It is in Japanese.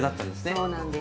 そうなんです。